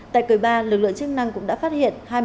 tại cười ba lực lượng chức năng cũng đã phát hiện hai mươi năm